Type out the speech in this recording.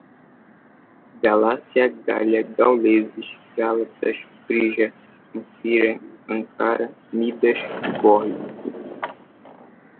Galácia, Gália, gauleses, gálatas, frígia, Ancira, Ancara, Midas, Górdio